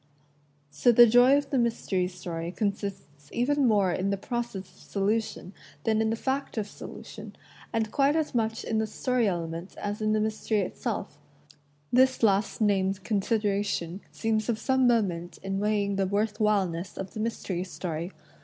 So the joy of the mystery story consists even more in the process of solution than in the fact of solution — and quite as much in the story element as in the mystery itself. This last named consideration seems of some moment in weighing the worth whileness of the mystery story.